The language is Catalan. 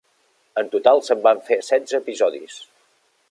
En total se'n van fer setze episodis.